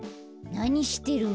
なにしてるの？